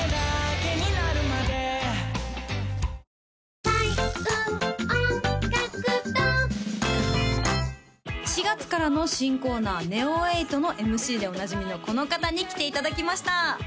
わかるぞ４月からの新コーナーＮＥＯ８のＭＣでおなじみのこの方に来ていただきました